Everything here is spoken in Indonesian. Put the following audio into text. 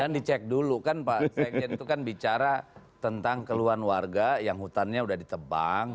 dicek dulu kan pak sekjen itu kan bicara tentang keluhan warga yang hutannya sudah ditebang